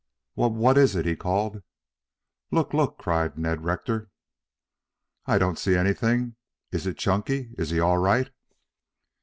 "Wha what is it?" he called. "Look! Look!" cried Ned Rector. "I don't see anything. Is it Chunky? Is he all right?"